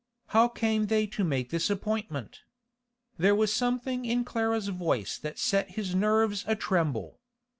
How came they to make this appointment? There was something in Clara's voice that set his nerves a tremble.